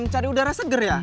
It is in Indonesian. cari udara seger ya